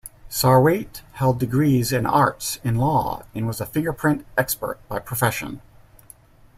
Sarwate held degrees in arts and law and was a fingerprint expert by profession.